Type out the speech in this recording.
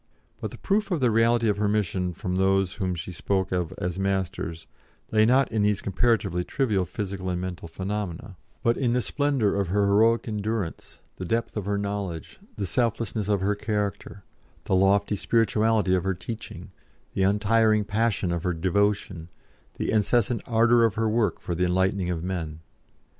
But the proof of the reality of her mission from those whom she spoke of as Masters lay not in these comparatively trivial physical and mental phenomena, but in the splendour of her heroic endurance, the depth of her knowledge, the selflessness of her character, the lofty spirituality of her teaching, the untiring passion of her devotion, the incessant ardour of her work for the enlightening of men.